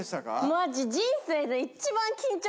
マジ。